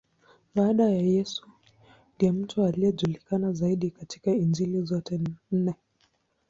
Baada ya Yesu, ndiye mtu anayejulikana zaidi katika Injili zote nne.